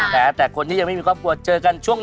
ถ้าราบเดินดง